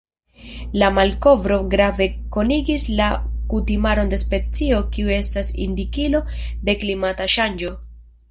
La malkovro grave konigis la kutimaron de specio kiu estas indikilo de klimata ŝanĝo.